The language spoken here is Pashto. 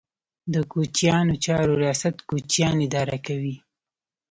د کوچیانو چارو ریاست کوچیان اداره کوي